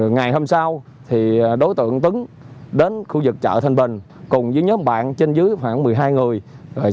ngày hôm sau đối tượng tấn đến khu vực chợ thanh bình cùng với nhóm bạn trên dưới khoảng một mươi hai người